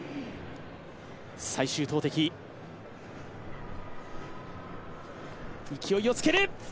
最終投てき、勢いをつける。